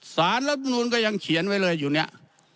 สารรัฐมนุนก็ยังเขียนไว้เลยอยู่เนี่ย